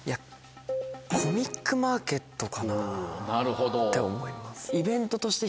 コミックマーケットかなって思います。